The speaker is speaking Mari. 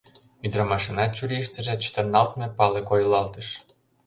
Ӱдырамашынат чурийыштыже чытырналтме пале койылалтыш.